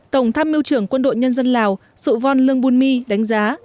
tổng thăm miêu trưởng quân đội nhân dân lào sụ vòn lương buôn my đánh giá